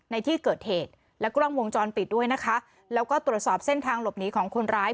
ในที่เกิดเหตุแล้วก็กล้องวงจรปิดด้วยนะคะแล้วก็ตรวจสอบเส้นทางหลบหนีของคนร้าย